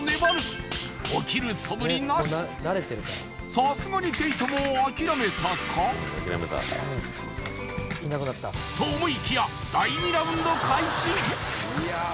さすがにケイトも諦めたか？と思いきや第２ラウンド開始